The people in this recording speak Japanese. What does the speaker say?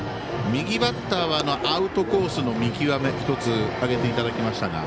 右バッターはアウトコースの見極めを１つ、挙げていただきました。